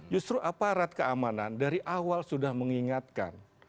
justru aparat keamanan dari awal sudah mengingatkan